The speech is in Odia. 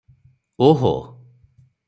ଓହୋ!